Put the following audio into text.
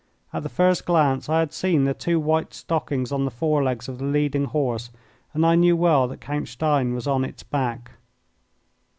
At the first glance I had seen the two white stockings on the forelegs of the leading horse, and I knew well that Count Stein was on its back.